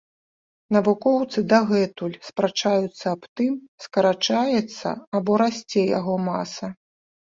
Навукоўцы дагэтуль спрачаюцца аб тым, скарачаецца або расце яго маса.